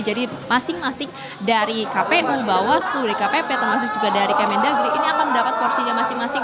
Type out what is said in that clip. jadi masing masing dari kpu bawas luri kpp termasuk juga dari kmn dageri ini akan mendapat porsinya masing masing